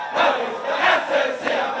beristirahat seri dan